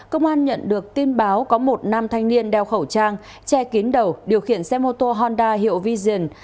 công an nhận được tin báo có một nam thanh niên đeo khẩu trang che kín đầu điều khiển xe mô tô honda hiệu vision